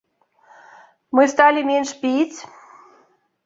Мы сталі менш піць?